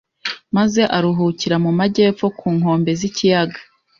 maze aruhukira mu majyepfo ku nkombe z'ikiyaga